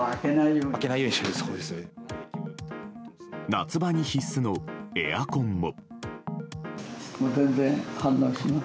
夏場に必須のエアコンも。